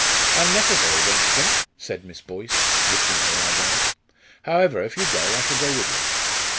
"Unnecessary, don't you think?" said Mrs. Boyce, lifting her eyebrows. "However, if you go, I shall go with you."